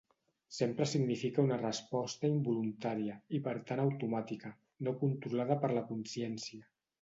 Sempre significa una resposta involuntària, i per tant automàtica, no controlada per la consciència.